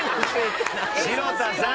城田さん！